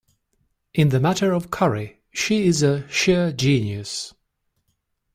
In the matter of curry she is a sheer genius.